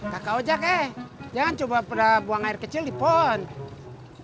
kakak ojak eh jangan coba pernah buang air kecil di pond